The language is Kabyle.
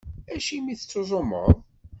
Acimi i tettuẓumeḍ?